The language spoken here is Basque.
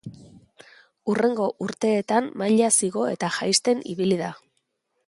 Hurrengo urteetan mailaz igo eta jaisten ibili da.